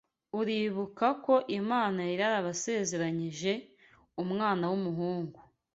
Uribuka ko Imana yari yarabasezeranyije umwana w’umuhungu